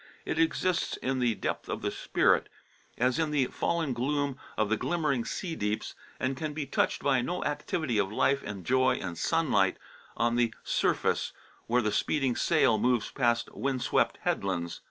It exists in the depth of the spirit, as in the fallen gloom of the glimmering sea deeps, and it can be touched by no activity of life and joy and sunlight on the surface, where the speeding sail moves past wind swept headlands.